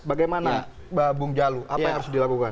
bagaimana bung jalu apa yang harus dilakukan